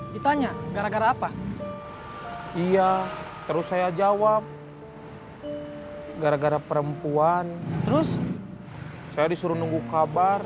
di tempat sana